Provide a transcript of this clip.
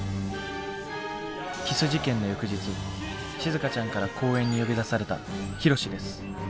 キス事件の翌日しずかちゃんから公園に呼び出されたヒロシです。